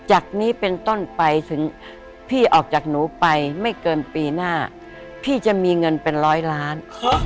จากนี้เป็นต้นไปถึงพี่ออกจากหนูไปไม่เกินปีหน้าพี่จะมีเงินเป็นร้อยล้าน